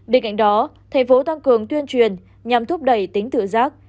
bên cạnh đó thành phố tăng cường tuyên truyền nhằm thúc đẩy tính tự giác